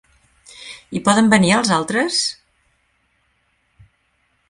Hi poden venir els altres?